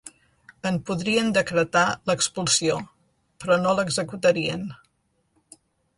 En podrien decretar l’expulsió, però no l’executarien.